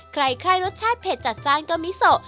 ใครรสชาติเผ็ดจัดจ้านก็มิโซ